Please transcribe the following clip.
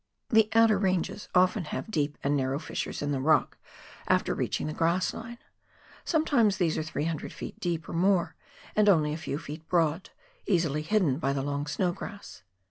The outer ranges often have deep and narrow fissures in the rock after reaching the grass line. Sometimes these are 300 ft. deep, or more, and only a few feet broad, easily hidden by the long snow grass.